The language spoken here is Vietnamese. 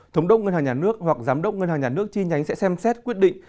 thống đốc ngân hàng nhà nước hoặc giám đốc ngân hàng nhà nước chi nhánh sẽ xem xét quyết định